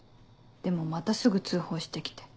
でもまたすぐ通報して来て。